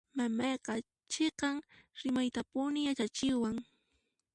Mamayqa chiqan rimaytapuni yachachiwan.